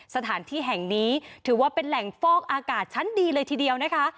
สถานที่แห่งนี้ถือว่าเป็นแหล่งฟอกอากาศชั้นดีเลยทีเดียวนะคะ